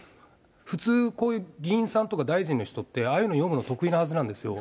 普通、こういう議員さんとか大臣の人って、ああいうの読むの得意なはずなんですよ。